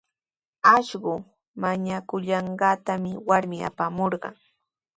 Akshu mañakullanqaatami warmi apamurqan.